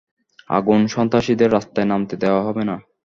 আগুন সন্ত্রাসীদের রাস্তায় নামতে দেওয়া হবে না।